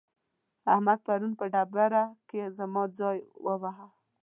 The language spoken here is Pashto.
احمد پرون په ډبره کې زما ځای وواهه.